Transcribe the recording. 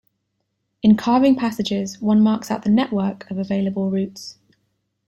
In "carving passages", one marks out the network of available routes.